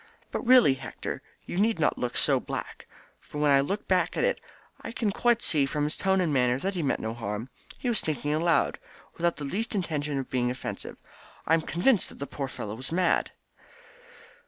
But really, Hector, you need not look so black, for when I look back at it I can quite see from his tone and manner that he meant no harm. He was thinking aloud, without the least intention of being offensive. I am convinced that the poor fellow was mad."